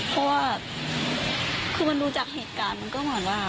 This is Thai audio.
เพราะว่าคือมันดูจากเหตุการณ์มันก็เหมือนว่า